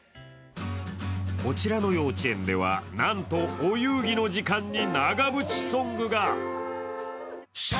こちらの幼稚園では、なんとお遊戯の時間に長渕ソングが。